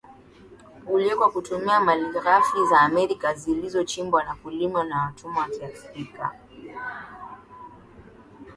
uliwekwa kutumia malighafi za Amerika zilizochimbwa na kulimwa na watumwa Wa kiafrika